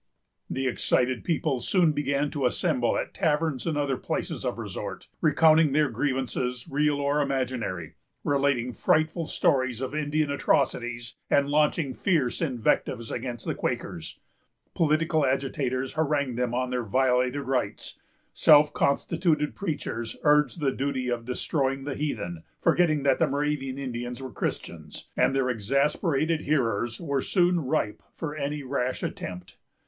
The excited people soon began to assemble at taverns and other places of resort, recounting their grievances, real or imaginary; relating frightful stories of Indian atrocities, and launching fierce invectives against the Quakers. Political agitators harangued them on their violated rights; self constituted preachers urged the duty of destroying the heathen, forgetting that the Moravian Indians were Christians, and their exasperated hearers were soon ripe for any rash attempt.